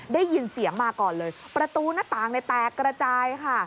ได้ยินเสียงมาก่อนเลยประตูหน้าต่างในแตกระจายค่ะ